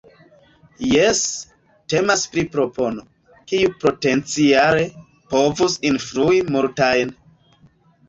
Jes, temas pri propono, kiu potenciale povus influi multajn.